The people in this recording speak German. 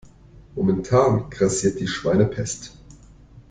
Momentan grassiert die Schweinepest.